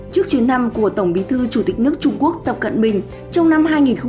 trước chuyến thăm của tổng bí thư chủ tịch nước trung quốc tập cận bình trong năm hai nghìn một mươi chín